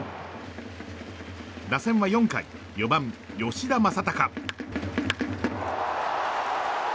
打線は４回４番、吉田正尚。